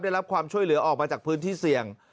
ได้รับความช่วยเหลือออกมาจากพื้นที่เสี่ยง